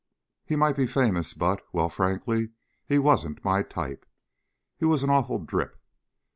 He might be famous but, well, frankly he wasn't my type. He was an awful drip."